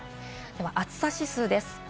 暑さ指数です。